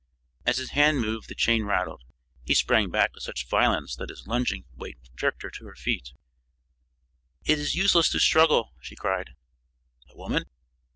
As his hand moved, the chain rattled. He sprang back with such violence that his lunging weight jerked her to her feet. "It is useless to struggle," she cried. "A woman!